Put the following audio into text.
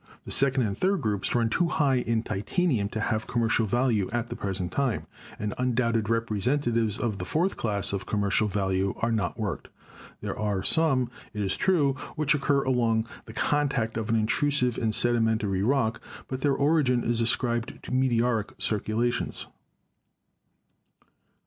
The second and third groups run too high in titanium to have commercial value at the pres ent time, and undoubted representatives of the fourth class of commercial value are not worked. There are some, it is true, which occur along the contact of an in trusive and sedimentary rock, but their origin is ascribed to meteoric circulations.